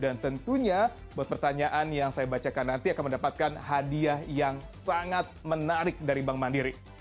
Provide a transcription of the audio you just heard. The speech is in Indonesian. dan tentunya buat pertanyaan yang saya bacakan nanti akan mendapatkan hadiah yang sangat menarik dari bank mandiri